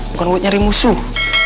bukan buat nyari musuh